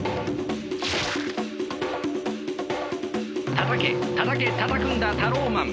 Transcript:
たたけたたけたたくんだタローマン！